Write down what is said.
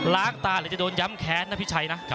ล้างตาหรือจะโดนย้ำแค้นนะพี่ชัยนะ